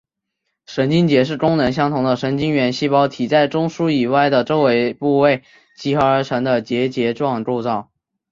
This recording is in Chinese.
神经节是功能相同的神经元细胞体在中枢以外的周围部位集合而成的结节状构造。